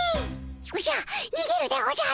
おじゃにげるでおじゃる。